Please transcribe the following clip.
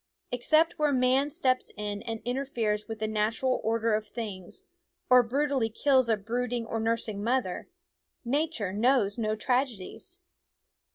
Except where man steps in and interferes with the natural order of things, or brutally kills a brooding or nursing mother, Nature knows no tragedies.